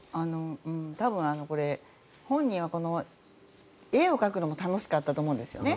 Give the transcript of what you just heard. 多分、本人は絵を描くのが楽しかったと思うんですね。